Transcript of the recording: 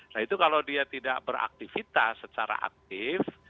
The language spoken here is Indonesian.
nah itu kalau dia tidak beraktivitas secara aktif